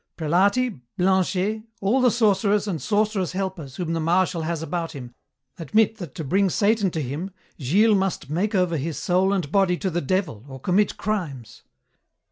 Prelati, Blanchet, all the sorcerers and sorcerers' helpers whom the Marshal has about him, admit that to bring Satan to him Gilles must make over his soul and body to the Devil or commit crimes.